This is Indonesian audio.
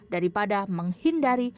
daripada menghindari makanan